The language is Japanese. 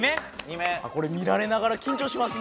これ見られながら緊張しますね。